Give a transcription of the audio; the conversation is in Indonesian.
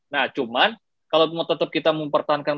nah cuman kalau mau tetep kita mempertahankan